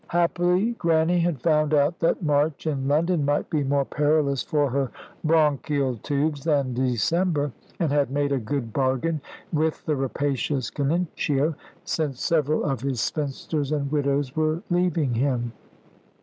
Happily Grannie had found out that March in London might be more perilous for her bronchial tubes than December; and had made a good bargain with the rapacious Canincio, since several of his spinsters and widows were leaving him.